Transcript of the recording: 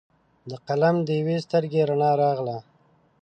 د قلم د یوي سترګې رڼا راغله